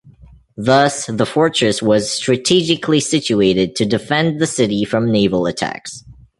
Thus, the fortress was strategically situated to defend the city from naval attacks.